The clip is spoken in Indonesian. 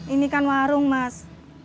ini kan warung mas